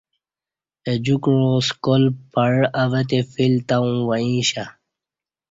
اہ جوکوعا سکال پعہ اوہ تے فیل تہ اوں ویں اشہ